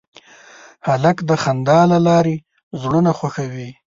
هلک د خندا له لارې زړونه خوښوي.